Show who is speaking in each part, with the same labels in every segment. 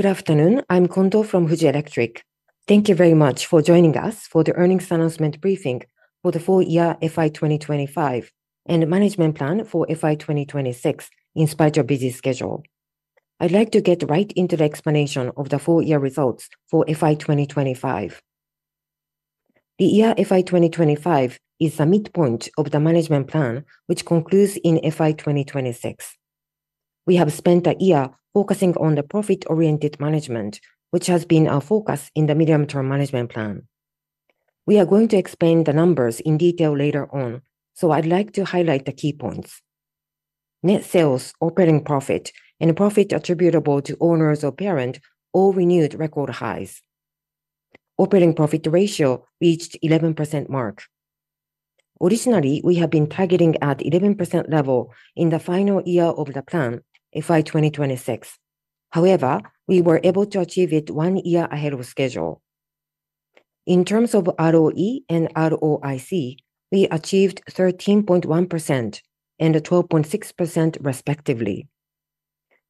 Speaker 1: Good afternoon. I'm Kondo from Fuji Electric. Thank you very much for joining us for the earnings announcement briefing for the full year FY 2025 and management plan for FY 2026 in spite of your busy schedule. I'd like to get right into the explanation of the full year results for FY 2025. The year FY 2025 is the midpoint of the management plan, which concludes in FY 2026. We have spent a year focusing on the profit-oriented management, which has been our focus in the medium-term management plan. We are going to explain the numbers in detail later on, so I'd like to highlight the key points. Net sales, operating profit, and profit attributable to owners of parent all renewed record highs. Operating profit ratio reached 11% mark. Originally, we have been targeting at 11% level in the final year of the plan, FY 2026. However, we were able to achieve it one year ahead of schedule. In terms of ROE and ROIC, we achieved 13.1% and 12.6% respectively.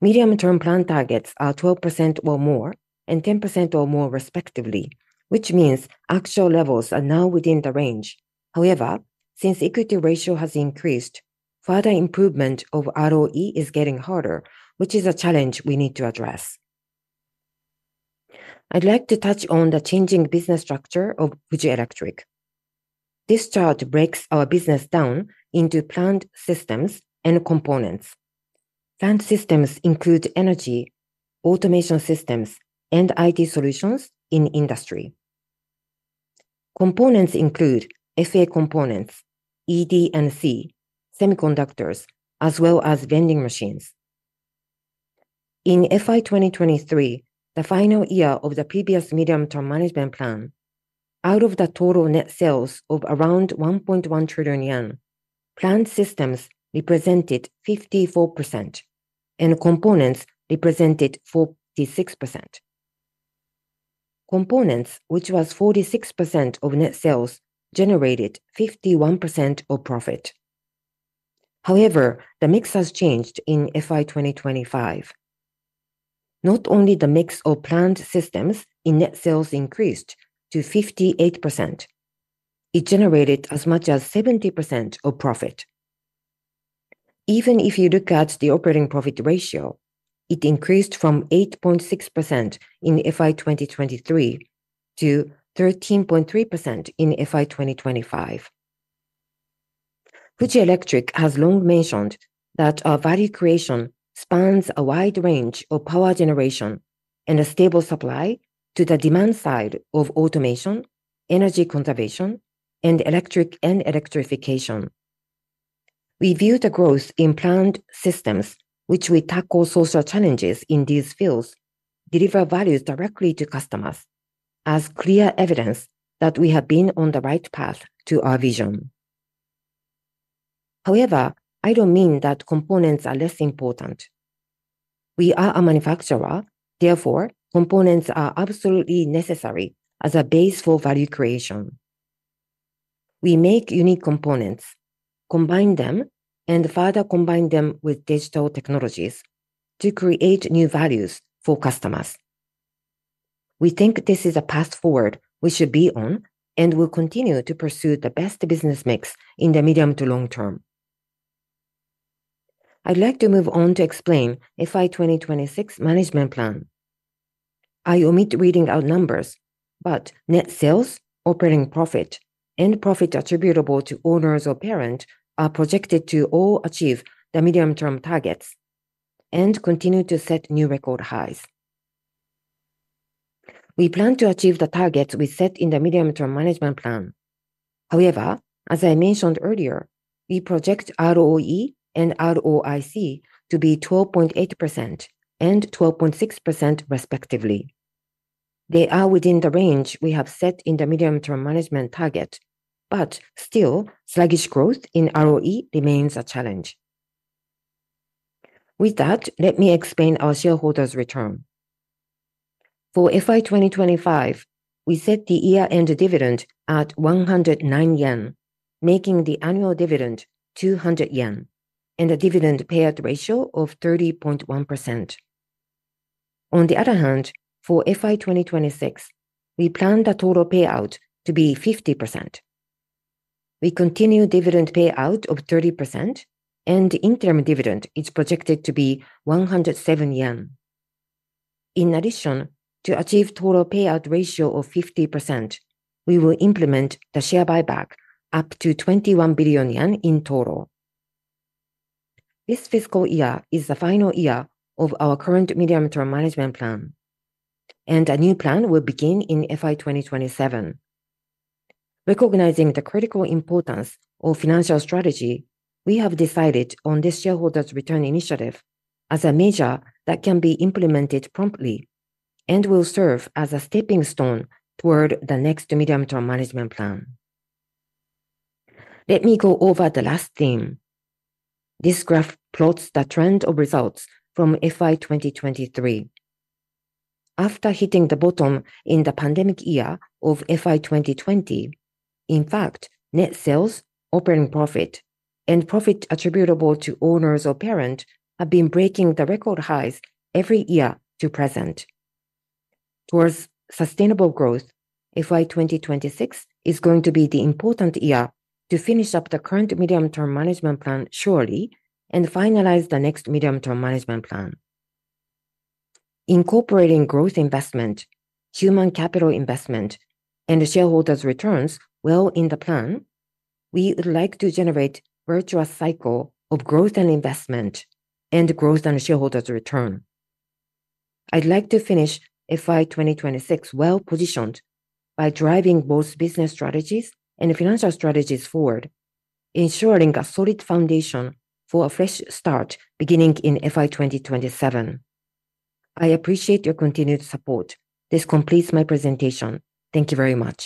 Speaker 1: medium-term plan targets are 12% or more and 10% or more respectively, which means actual levels are now within the range. However, since equity ratio has increased, further improvement of ROE is getting harder, which is a challenge we need to address. I'd like to touch on the changing business structure of Fuji Electric. This chart breaks our business down into Plant Systems and components. Plant Systems include energy, automation systems, and IT solutions in industry. Components include FA Components, ED&C, Semiconductors, as well as Vending Machines. In FY 2023, the final year of the previous medium-term management plan, out of the total net sales of around 1.1 trillion yen, Plant Systems represented 54% and components represented 46%. Components, which was 46% of net sales, generated 51% of profit. However, the mix has changed in FY 2025. Not only the mix of Plant Systems in net sales increased to 58%, it generated as much as 70% of profit. Even if you look at the operating profit ratio, it increased from 8.6% in FY 2023 to 13.3% in FY 2025. Fuji Electric has long mentioned that our value creation spans a wide range of power generation and a stable supply to the demand side of automation, energy conservation, and electric and electrification. We view the growth in Plant Systems, which we tackle social challenges in these fields, deliver values directly to customers as clear evidence that we have been on the right path to our vision. However, I don't mean that components are less important. We are a manufacturer, therefore, components are absolutely necessary as a base for value creation. We make unique components, combine them, and further combine them with digital technologies to create new values for customers. We think this is a path forward we should be on and will continue to pursue the best business mix in the medium to long term. I'd like to move on to explain FY 2026 management plan. I omit reading out numbers, but net sales, operating profit, and profit attributable to owners of parent are projected to all achieve the medium-term targets and continue to set new record highs. We plan to achieve the targets we set in the medium-term management plan. As I mentioned earlier, we project ROE and ROIC to be 12.8% and 12.6% respectively. They are within the range we have set in the medium-term management target, but still, sluggish growth in ROE remains a challenge. With that, let me explain our shareholders' return. For FY 2025, we set the year-end dividend at 109 yen, making the annual dividend 200 yen and a dividend payout ratio of 30.1%. On the other hand, for FY 2026, we plan the total payout to be 50%. We continue dividend payout of 30%, interim dividend is projected to be 107 yen. In addition, to achieve total payout ratio of 50%, we will implement the share buyback up to 21 billion yen in total. This fiscal year is the final year of our current medium-term management plan, and a new plan will begin in FY 2027. Recognizing the critical importance of financial strategy, we have decided on this shareholders' return initiative as a measure that can be implemented promptly and will serve as a stepping stone toward the next medium-term management plan. Let me go over the last theme. This graph plots the trend of results from FY 2023. After hitting the bottom in the pandemic year of FY 2020, in fact, net sales, operating profit, and profit attributable to owners of parent have been breaking the record highs every year to present. Towards sustainable growth, FY 2026 is going to be the important year to finish up the current medium-term management plan surely and finalize the next medium-term management plan. Incorporating growth investment, human capital investment, and shareholders' returns well in the plan, we would like to generate virtuous cycle of growth and investment and growth and shareholders' return. I'd like to finish FY 2026 well-positioned by driving both business strategies and financial strategies forward, ensuring a solid foundation for a fresh start beginning in FY 2027. I appreciate your continued support. This completes my presentation. Thank you very much.